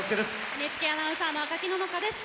ＮＨＫアナウンサーの赤木野々花です。